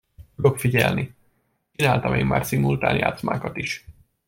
Tudok figyelni, csináltam én már szimultán játszmákat is.